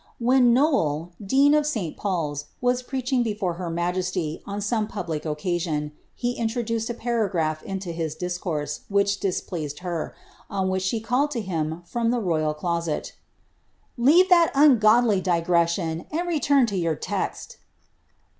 When Nowel, dean of St Paul's, was preaching before her majesty, OQ some public occasion, he introduced a paragraph into his discourse which displeased her, on which she called to him from the royal closet, ^ Leave that ungodly digression, and return to your text."